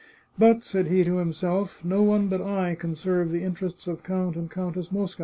" But," said he to himself, " no one but I can serve the interests of Count and Countess Mosca."